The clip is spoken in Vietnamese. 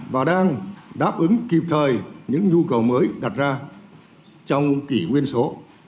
và đang đáp ứng kịp thời những nhu cầu mới đặt ra trong kỷ nguyên số